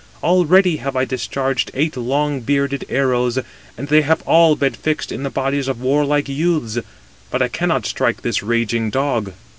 Already have I discharged eight long bearded arrows, and they have all been fixed in the bodies of warlike youths; but I cannot strike this raging dog."